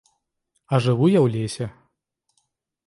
А жыву я ў лесе.